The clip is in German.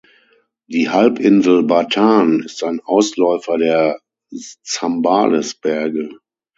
Die Halbinsel Bataan ist ein Ausläufer der Zambales-Berge.